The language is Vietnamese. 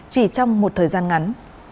chỉ trong một thời gian ngắn